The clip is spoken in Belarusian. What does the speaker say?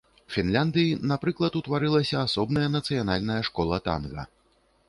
Фінляндыі, напрыклад, утварылася асобная нацыянальная школа танга.